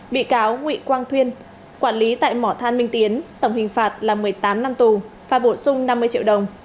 bị cáo nguy quang thuyên quản lý tại mỏ than minh tiến tổng hình phạt là một mươi tám năm tù phạt bổ sung năm mươi triệu đồng